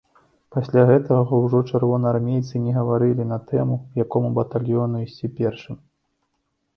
Пасля гэтага ўжо чырвонаармейцы не гаварылі на тэму, якому батальёну ісці першым.